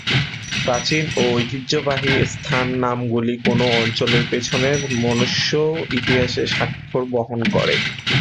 প্রাচীন ও ঐতিহ্যবাহী স্থান-নামগুলি কোন অঞ্চলের পেছনের মনুষ্য ইতিহাসের স্বাক্ষর বহন করে।